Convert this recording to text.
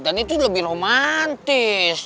dan itu lebih romantis